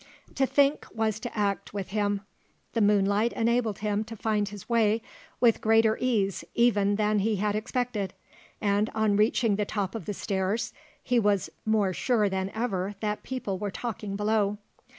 To think was to act with him. The moonlight enabled him to find his way with greater ease even than he had expected, and on reaching the top of the stairs he was more sure than ever that people were talking below.